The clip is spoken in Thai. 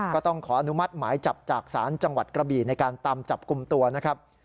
ก็ต้องขออนุมัติหมายจับจากศาลจังหวัดกระบี่ในการตามจับกลุ่มตัวนะครับ